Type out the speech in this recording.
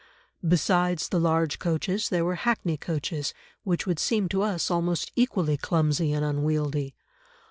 Besides the large coaches there were hackney coaches, which would seem to us almost equally clumsy and unwieldy.